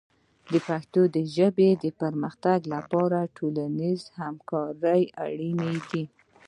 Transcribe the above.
د پښتو ژبې د پرمختګ لپاره ټولنیز همکاري اړینه ده.